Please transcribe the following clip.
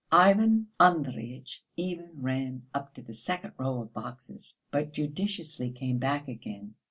Ivan Andreyitch even ran up to the second row of boxes, but judiciously came back again.